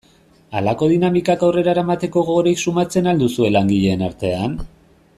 Halako dinamikak aurrera eramateko gogorik sumatzen al duzue langileen artean?